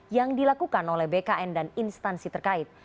yang dilakukan oleh bkn dan instansi terkait